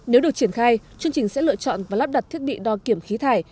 nếu được triển khai chương trình sẽ lựa chọn và lắp đặt thiết bị đo kiểm khí thải